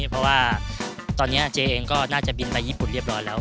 เพราะว่าตอนนี้เจ๊เองก็น่าจะบินไปญี่ปุ่นเรียบร้อยแล้ว